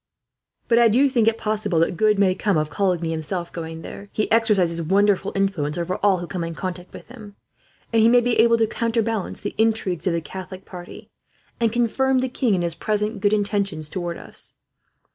"But I do think it possible that good may come of Coligny, himself, going there. He exercises wonderful influence over all who come in contact with him, and he may be able to counterbalance the intrigues of the Catholic party, and confirm the king in his present good intentions towards us."